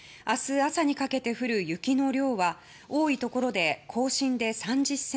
明日朝にかけて降る雪の量は多いところで甲信で３０ｃｍ